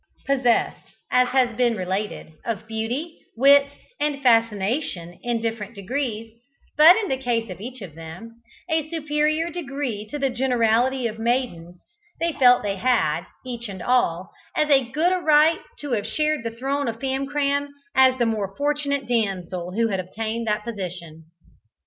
Possessed, as has been related, of beauty, wit, and fascination in different degrees, but in the case of each of them, a superior degree to the generality of maidens, they felt that they had, each and all, as good a right to have shared the throne of Famcram as the more fortunate damsel who had obtained that position.